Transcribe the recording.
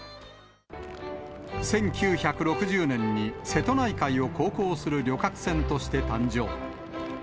１９６０年に瀬戸内海を航行する旅客船として誕生。